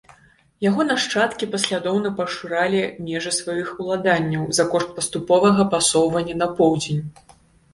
Яго нашчадкі паслядоўна пашыралі межы сваіх уладанняў за кошт паступовага пасоўвання на поўдзень.